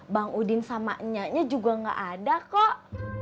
bang udin sama nya nya juga gak ada kok